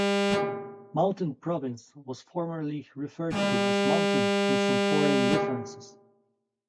Mountain Province was formerly referred to as "Mountain" in some foreign references.